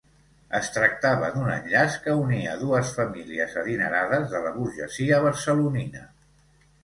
Es tractava d'un enllaç que unia dues famílies adinerades de la burgesia barcelonina.